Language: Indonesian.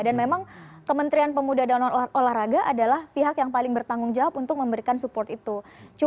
dan memang kementerian pemuda dan olahraga adalah pihak yang paling bertanggung jawab untuk memberikan support itu